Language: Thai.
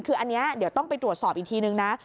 คืออันนี้เดี๋ยวต้องไปตรวจสอบอีกทีนึงนะ